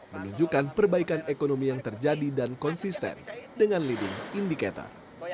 menunjukkan perbaikan ekonomi yang terjadi dan konsisten dengan leading indicator